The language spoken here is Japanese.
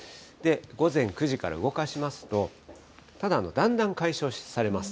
午前９時から動かしますと、ただ、だんだん解消されます。